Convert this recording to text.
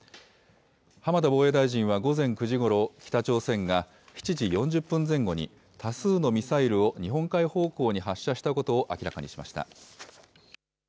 浜田防衛大臣は午前９時ごろ、北朝鮮が７時４０分前後に、多数のミサイルを日本海方向に発射したことを明らかにしました。